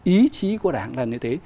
ý chí của đảng là như thế